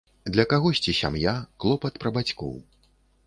Для кагосьці сям'я, клопат пра бацькоў.